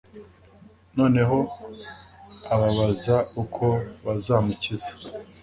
noneho ababaza uko bazamukiza